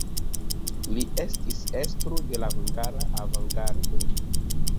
Li estis estro de la hungara avangardo.